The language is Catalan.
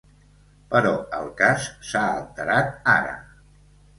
Però el cas s'ha alterat ara.